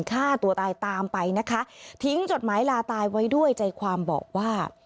ฆ่าตัวตายตามไปนะคะทิ้งจดหมายลาตายไว้ด้วยใจความบอกว่า